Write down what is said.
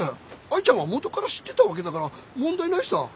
愛ちゃんはもとから知ってたわけだから問題ないさぁ。